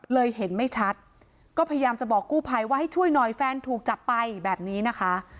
เห็นไม่ชัดก็พยายามจะบอกกู้ภัยว่าให้ช่วยหน่อยแฟนถูกจับไปแบบนี้นะคะ